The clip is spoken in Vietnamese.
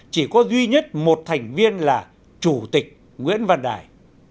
chỉ có duy nhất một thành viên là chủ tịch nguyễn văn đài